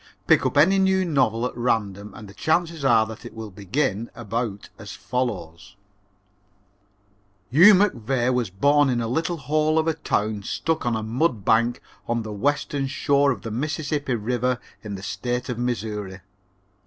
Pick up any new novel at random and the chances are that it will begin about as follows: "Hugh McVey was born in a little hole of a town stuck on a mud bank on the western shore of the Mississippi River in the State of Missouri.